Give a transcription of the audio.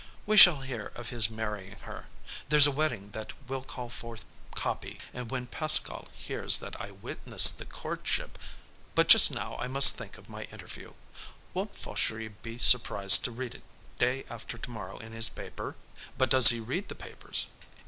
We shall hear of his marrying her. There's a wedding that will call forth copy, and when Pascal hears that I witnessed the courtship but just now I must think of my interview. Won't Fauchery be surprised to read it day after to morrow in his paper? But does he read the papers?